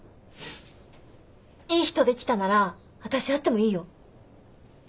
いい人できたなら私会ってもいいよ。